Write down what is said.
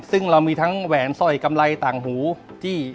ซึ่งเรามีทั้งแหวนสร้อยกำไรต่างหูจี้